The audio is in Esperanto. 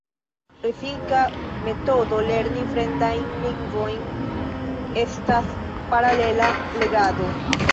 Efika metodo lerni fremdajn lingvojn estas paralela legado.